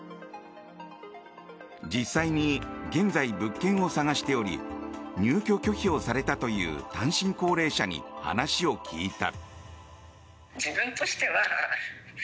実際に現在、物件を探しており入居拒否をされたという単身高齢者に話を聞いた。